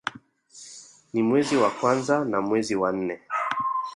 Ni mwezi wa kwanza na mwezi wa nne